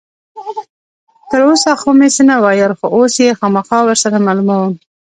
تر اوسه خو مې څه نه ویل، خو اوس یې خامخا ور سره معلوموم.